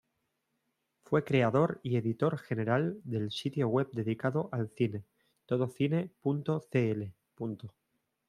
Fue creador y editor general del sitio web dedicado al cine Todocine.cl.